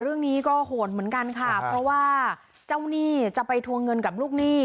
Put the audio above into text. เรื่องนี้ก็โหดเหมือนกันค่ะเพราะว่าเจ้าหนี้จะไปทวงเงินกับลูกหนี้